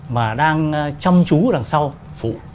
mà đang chăm chú đằng sau